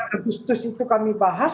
agustus itu kami bahas